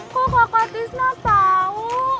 kok kakak tisna tau